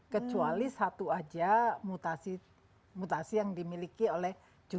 kecuali satu aja mutasi yang dimiliki oleh juga b satu ratus tujuh belas